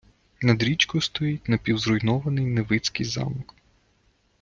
Над річкою стоїть напівзруйнований Невицький замок.